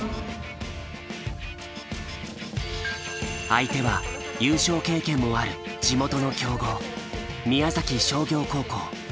相手は優勝経験もある地元の強豪宮崎商業高校。